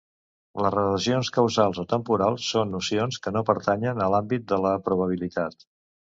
Les relacions causals o temporals són nocions que no pertanyen a l'àmbit de la probabilitat.